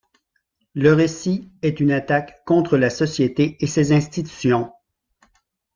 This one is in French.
Le récit est une attaque contre la société et ses institutions.